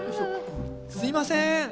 すいません。